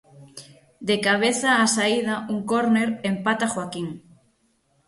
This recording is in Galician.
De cabeza á saída un córner empata Joaquín.